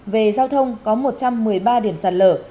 về giao thông có một trăm một mươi ba điểm sạt lở